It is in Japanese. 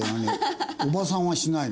おばさんはしないの？